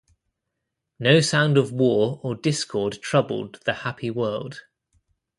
No sound of war or discord troubled the happy world.